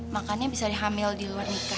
makannya bisa dihamil di luar nikah